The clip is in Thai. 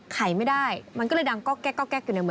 ไขไม่ได้มันก็เลยดังก๊อกแก๊กอยู่ในมือ